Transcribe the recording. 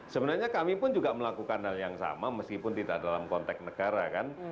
sebenarnya kami pun juga melakukan hal yang sama meskipun tidak dalam konteks negara kan